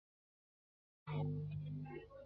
胡达费林县居民多操阿塞拜疆语。